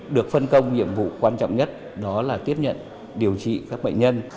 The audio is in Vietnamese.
được phân công nhiệm vụ quan trọng nhất đó là tiếp nhận điều trị các bệnh nhân